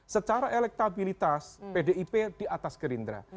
secara elektabilitas pdip di atas gerindra